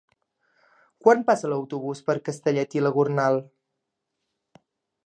Quan passa l'autobús per Castellet i la Gornal?